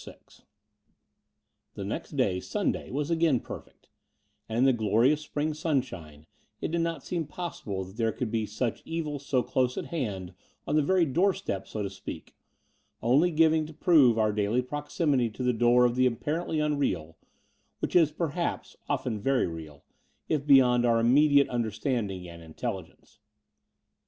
IX The next day, Sunday, was again perfect; and in the glorious spring stmshine it did not seem possible that there could be such evil so close at hand on the very doorstep, so to speak, only going to prove our daily proximity to the door of the apparently unreal, which is, perhaps, often very real, if beyond our immediate understanding and intelligence.